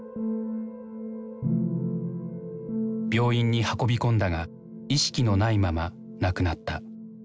病院に運び込んだが意識のないまま亡くなった。